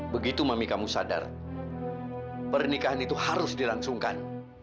begitu mami kamu sadar pernikahan itu harus dilangsungkan